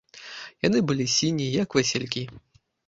Яны былі сінія, як васількі.